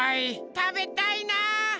たべたいな！